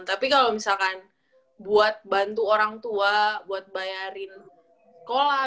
tapi kalau misalkan buat bantu orang tua buat bayarin sekolah